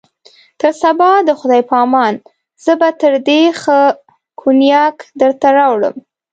تر سبا د خدای په امان، زه به تر دې ښه کونیاک درته راوړم.